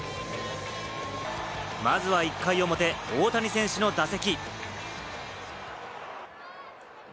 まずは１回表、大谷選手の打席。